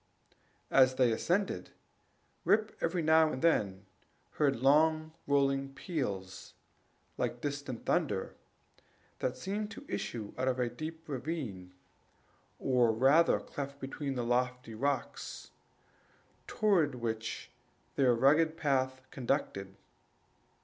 As they ascended, Rip every now and then heard long rolling peals like distant thunder, that seemed to issue out of a deep ravine, or rather cleft, between lofty rocks, toward which their rugged path conducted.